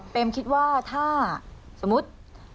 เป็นคิดว่าถ้าสมมุติ